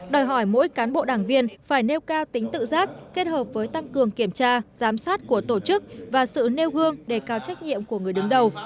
đòi hỏi mỗi cán bộ đảng viên phải nêu cao tính tự giác kết hợp với tăng cường kiểm tra giám sát của tổ chức và sự nêu gương để cao trách nhiệm của người đứng đầu